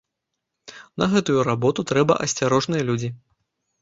На гэтую работу трэба асцярожныя людзі.